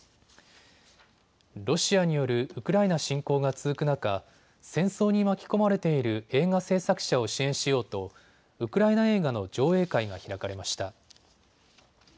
ロシアによるウクライナ侵攻が続く中、戦争に巻き込まれている映画製作者を支援しようとウクライナ映画の上映会が開かれました。